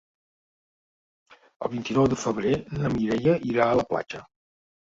El vint-i-nou de febrer na Mireia irà a la platja.